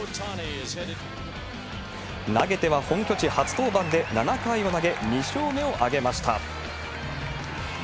投げては本拠地初登板で７回を投げ、２勝目を挙げました。